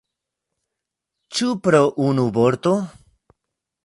Ĉu pro unu vorto?